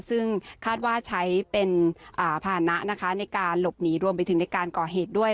ซึ่งคาดว่าใช้เป็นภาษณะนะคะในการหลบหนีรวมไปถึงในการก่อเหตุด้วย